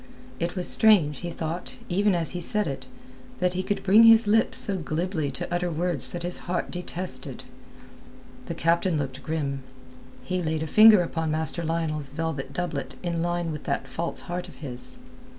It was strange, he thought, even as he said it, that he could bring his lips so glibly to utter words that his heart detested. The captain looked grim. He laid a finger upon Master Lionel's velvet doublet in line with that false heart of his.